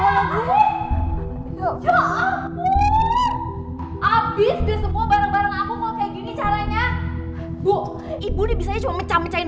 abis semua bareng bareng aku kayak gini caranya bu ibu bisa cuma mecah mecahin